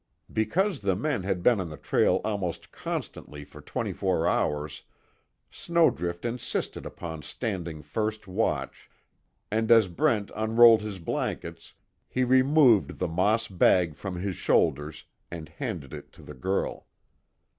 Because the men had been on the trail almost constantly for twenty four hours, Snowdrift insisted upon standing first watch, and as Brent unrolled his blankets, he removed the moss bag from his shoulders and handed it to the girl.